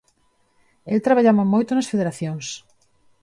El traballaba moito nas federacións.